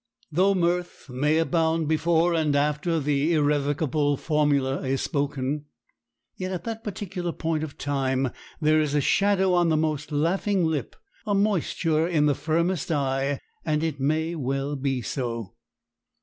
Though mirth may abound before and after the irrevocable formula is spoken, yet at that particular point of time there is a shadow on the most laughing lip, a moisture in the firmest eye; and it may well be so.